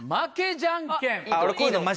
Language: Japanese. じゃんけん。